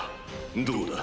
どうだ？